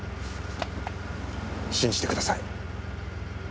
信じてください。